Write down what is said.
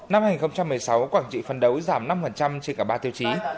năm hai nghìn một mươi sáu quảng trị phân đấu giảm năm trên cả ba tiêu chí